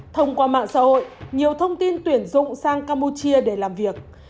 thông qua mạng xã hội nhiều thông tin tuyển dụng sang campuchia để làm việc